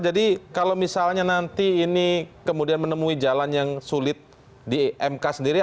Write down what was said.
jadi kalau misalnya nanti ini kemudian menemui jalan yang sulit di mk sendiri